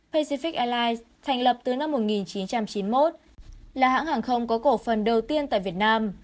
pacific airlines thành lập từ năm một nghìn chín trăm chín mươi một là hãng hàng không có cổ phần đầu tiên tại việt nam